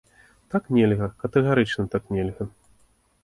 Так нельга, катэгарычна так нельга.